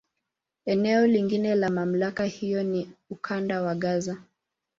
Eneo lingine la MamlakA hiyo ni Ukanda wa Gaza.